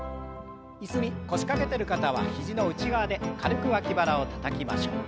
椅子に腰掛けてる方は肘の内側で軽く脇腹をたたきましょう。